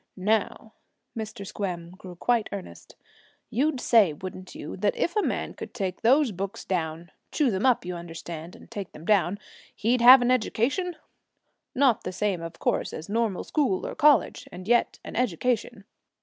Now,' Mr. Squem grew quite earnest, 'you'd say, wouldn't you, that if a man could take those books down, chew them up, you understand, and take them down, he'd have an education? Not the same, of course, as normal school or college, and yet an education.'